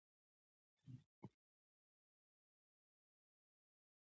پاویلو کویلو وایي تجربه تر ټولو مهمه ده.